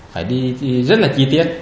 phải đi rất là chi tiết